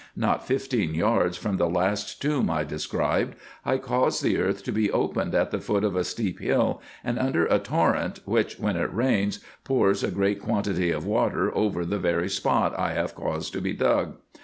Not fifteen yards from the last tomb I described, T caused the earth to be opened at the foot of a steep hill, and under a torrent, which, when it rains, pours a great quantity of water over the very spot I have caused to be dug.